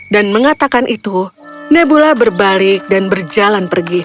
dan mengatakan itu nebula berbalik dan berjalan pergi